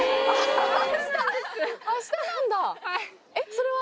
それは。